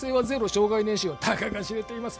「生涯年収はたかが知れています」